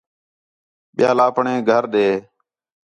ٻِیال اپݨے گھر ݙے